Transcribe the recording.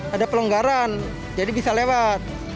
ada pelonggaran jadi bisa lewat